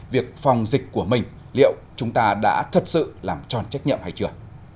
việc phòng dịch của mình liệu chúng ta đã thật sự làm tròn trách nhiệm hay chưa